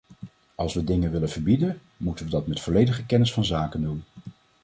Als we dingen willen verbieden, moeten we dat met volledige kennis van zaken doen.